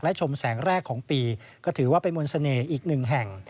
และชมแสงแรกของปีก็ถือว่าเป็นมนต์เสน่ห์อีกหนึ่งแห่ง